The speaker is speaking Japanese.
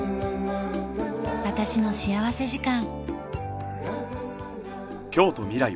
『私の幸福時間』。